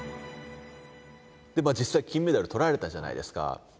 実際金メダルとられたじゃないですか。